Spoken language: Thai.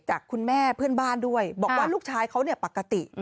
จากคุณแม่เพื่อนบ้านด้วยบอกว่าลูกชายเขาเนี่ยปกติ